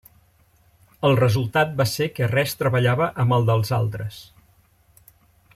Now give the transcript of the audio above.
El resultat va ser que res treballava amb el dels altres.